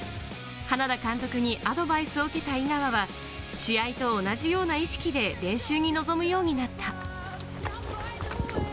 花田監督にアドバイスを受けた井川は、試合と同じような意識で練習に臨むようになった。